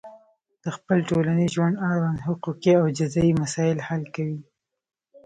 د خپل ټولنیز ژوند اړوند حقوقي او جزایي مسایل حل کوي.